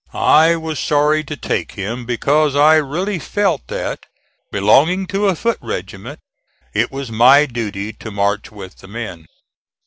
I was sorry to take him, because I really felt that, belonging to a foot regiment, it was my duty to march with the men.